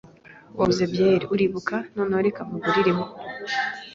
Wanguze byeri, uribuka? Noneho, reka nkugure imwe.